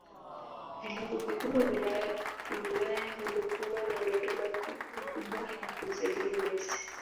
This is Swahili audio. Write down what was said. Vilabu vikubwa Ulaya vimekuwa na ndoto kubwa ya kumsajili Messi